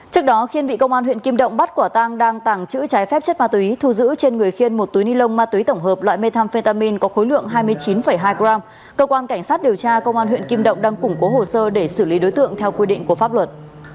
trước đó khiên bị công an huyện kim động bắt quả tang đang tàng trữ trái phép chất ma túy thu giữ trên người khiên một túi ni lông ma túy tổng hợp loại methamphetamin có khối lượng hai mươi chín hai g cơ quan cảnh sát điều tra công an huyện kim động đang củng cố hồ sơ để xử lý đối tượng theo quy định của pháp luật